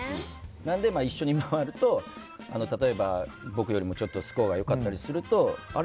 なので一緒に回ると例えば僕よりもちょっとスコアが良かったりするとあれ？